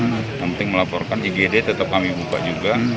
yang penting melaporkan igd tetap kami buka juga